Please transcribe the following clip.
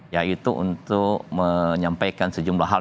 yaitu untuk menyampaikan sejumlah hal